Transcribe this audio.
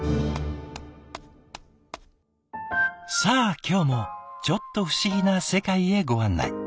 さあ今日もちょっと不思議な世界へご案内。